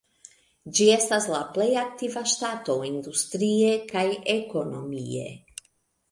Ĝi estas la plej aktiva ŝtato industrie kaj ekonomie.